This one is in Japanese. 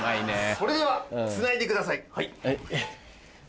それではつないでください。